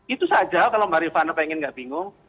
itu saja kalau marifana ingin tidak bingung